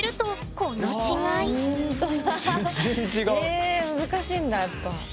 え難しいんだやっぱ。